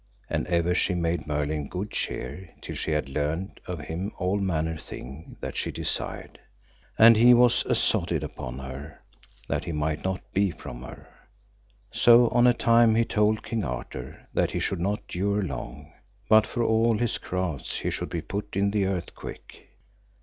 And ever she made Merlin good cheer till she had learned of him all manner thing that she desired; and he was assotted upon her, that he might not be from her. So on a time he told King Arthur that he should not dure long, but for all his crafts he should be put in the earth quick.